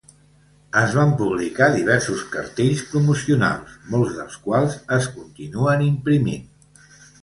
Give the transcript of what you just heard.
Es van publicar diversos cartells promocionals, molts dels quals es continuen imprimint.